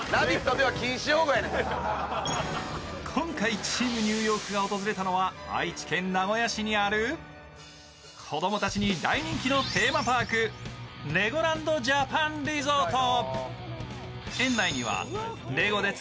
今回、チーム・ニューヨークが訪れたのは、愛知県名古屋市にある、子供たちに大人気のテーマパークレゴランド・ジャパン・リゾート。